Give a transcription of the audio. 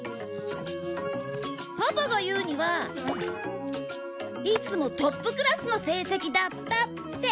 パパが言うにはいつもトップクラスの成績だったって。